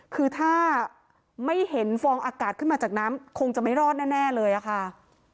คือถ้าไม่เห็นฟองอากาศขึ้นมาจากน้ำคงจะไม่รอดแน่เลยอะค่ะ